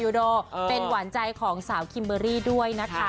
โดเป็นหวานใจของสาวคิมเบอร์รี่ด้วยนะคะ